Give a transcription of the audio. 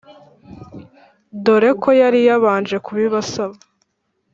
dore ko yari yabanje kubibasaba,